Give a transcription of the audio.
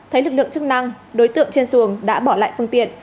thấy lực lượng chức năng đối tượng trên xuồng đã bỏ lại phương tiện